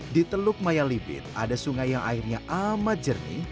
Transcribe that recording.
di teluk maya libit ada sungai yang airnya amat jernih